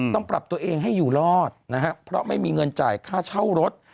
ต้องปรับตัวเองให้อยู่รอดนะฮะเพราะไม่มีเงินจ่ายค่าเช่ารถ